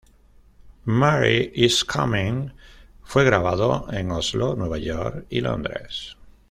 Mary Is Coming fue grabado en Oslo, Nueva York y Londres.